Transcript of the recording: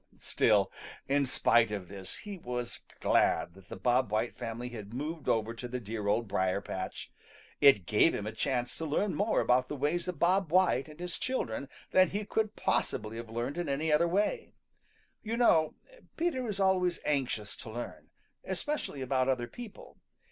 Still, in spite of this, he was glad that the Bob White family had moved over to the dear Old Briar patch. It gave him a chance to learn more about the ways of Bob White and his children than he could possibly have learned in any other way. You know, Peter is always anxious to learn, especially about other people.